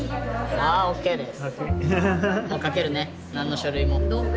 あＯＫです！